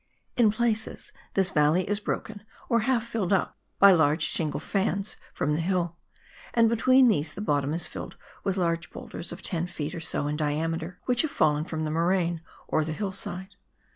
In places this valley is broken or half filled up by large shingle fans from the hill, and between these the bottom is filled with large boulders of 10 ft. or so in diameter, which have fallen from the moraine or the hillside.